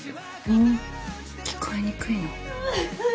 耳、聞こえにくいの？